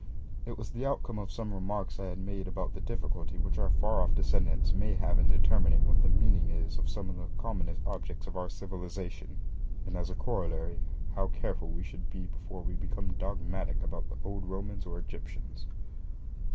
It was the outcome of some remarks I had made about the difficulty which our far off descendants may have in determining what the meaning is of some of the commonest objects of our civilisation, and as a corollary how careful we should be before we become dogmatic about the old Romans or Egyptians.